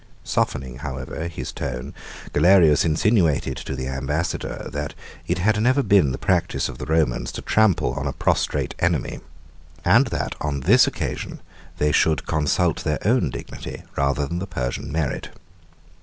Softening, however, his tone, Galerius insinuated to the ambassador, that it had never been the practice of the Romans to trample on a prostrate enemy; and that, on this occasion, they should consult their own dignity rather than the Persian merit.